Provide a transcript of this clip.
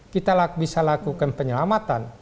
kita bisa lakukan penyelamatan